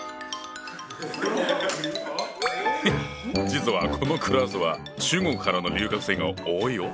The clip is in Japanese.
実はこのクラスは中国からの留学生が多いよ。